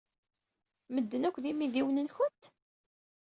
Medden-a akk d imidiwen-nwent?